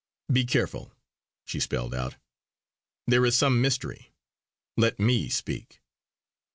"Be careful!" she spelled out "there is some mystery! Let me speak."